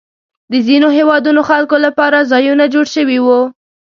د ځینو هېوادونو خلکو لپاره ځایونه جوړ شوي وو.